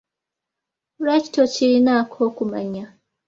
Lwaki tokirinaako kumanya?